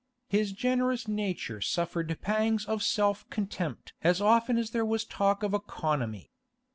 His generous nature suffered pangs of self contempt as often as there was talk of economy.